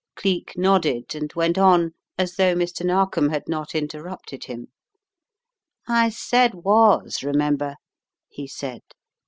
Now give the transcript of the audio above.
Cleek nodded and went on as though Mr. Narkom had not interrupted him. "I said 'was', remember," he said.